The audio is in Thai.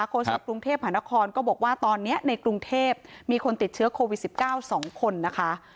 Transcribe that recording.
ครับกรุงเทพมหานครก็บอกว่าตอนเนี้ยในกรุงเทพมีคนติดเชื้อโควิดสิบเก้าสองคนนะคะ